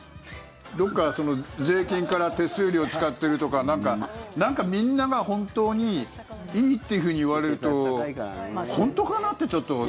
どこか税金から手数料使ってるとかみんな、本当にいいと言われると本当かな？ってちょっと。